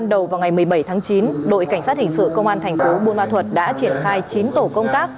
đầu vào ngày một mươi bảy tháng chín đội cảnh sát hình sự công an thành phố buôn ma thuật đã triển khai chín tổ công tác